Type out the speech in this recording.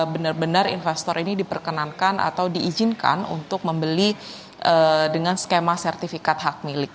benar benar investor ini diperkenankan atau diizinkan untuk membeli dengan skema sertifikat hak milik